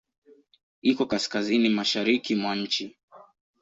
Iko Kaskazini mashariki mwa nchi.